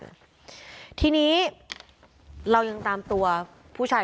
แซ็คเอ้ยเป็นยังไงไม่รอดแน่